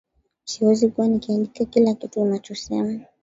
Siwezi kuwa nikiandika kila kitu unachosema